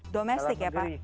domestik ya pak